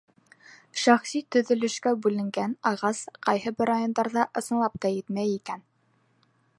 Шәхси төҙөлөшкә бүленгән ағас ҡайһы бер райондарҙа ысынлап та етмәй икән.